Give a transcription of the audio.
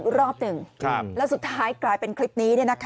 แล้วผมก็เลยเรียกเพื่อนมารับผมให้ฝากผมกลับบ้านอะไรอย่างนี้